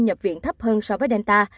nhập viện thấp hơn so với delta